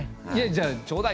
じゃあちょうだいよ。